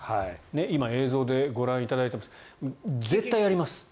今映像でご覧いただいていますが絶対やります。